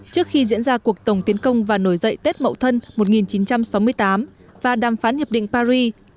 trước khi diễn ra cuộc tổng tiến công và nổi dậy tết mậu thân một nghìn chín trăm sáu mươi tám và đàm phán hiệp định paris